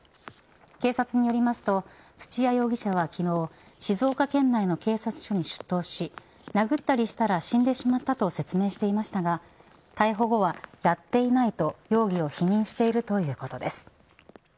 警察によりますと土屋容疑者は昨日静岡県内の警察署に出頭し殴ったりしたら死んでしまったと説明していましたが逮捕後は、やっていないと容疑を否認しているということです。